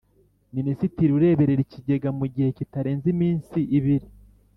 Minisitiri ureberera Ikigega mu gihe kitarenze iminsi ibiri